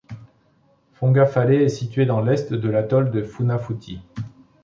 Fongafale est située dans l'est de l'atoll de Funafuti.